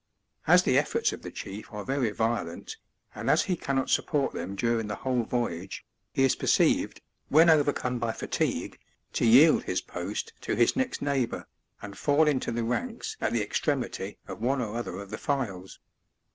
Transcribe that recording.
As the efforts of the chief are very violent, and as he cannot support them during the whole voyage, he is perceived, when overcome by fatigue, to yield his post to his next neighbour, and fall into the ranks at the extremity of one; or other of the files.